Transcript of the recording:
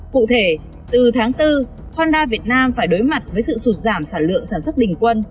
cụ thể từ tháng bốn honda việt nam phải đối mặt với sự sụt giảm sản lượng sản xuất bình quân